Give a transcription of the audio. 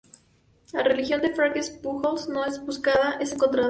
La religión de Francesc Pujols no es buscada, es encontrada.